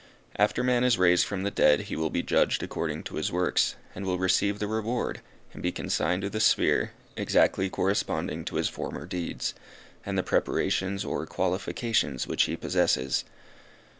After man is raised from the dead he will be judged according to his works, and will receive the reward, and be consigned to the sphere, exactly corresponding to his former deeds, and the preparations or qualifications which he possesses.